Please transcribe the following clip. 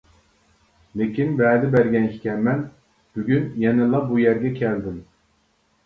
لېكىن ۋەدە بەرگەن ئىكەنمەن، بۈگۈن يەنىلا بۇ يەرگە كەلدىم.